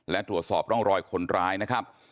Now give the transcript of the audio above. และตรวจสอบร่องรอยคนร้ายนะครับ